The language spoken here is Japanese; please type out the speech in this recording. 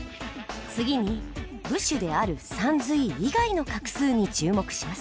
次に部首である「さんずい」以外の画数に注目します。